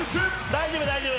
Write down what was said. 大丈夫大丈夫。